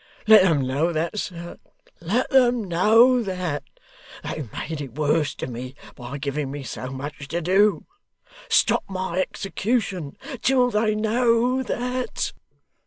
Let them know that, sir. Let them know that. They've made it worse to me by giving me so much to do. Stop my execution till they know that!